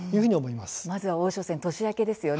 まずは王将戦年明けですね。